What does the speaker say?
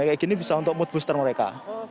kayak gini bisa untuk mood booster mereka